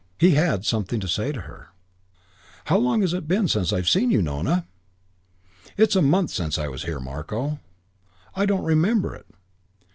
He had something to say to her. "How long is it since I have seen you, Nona?" "It's a month since I was here, Marko." "I don't remember it."